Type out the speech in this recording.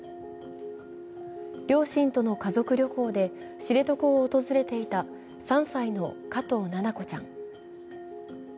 両親との家族旅行で知床を訪れていた３歳の加藤七菜子ちゃん。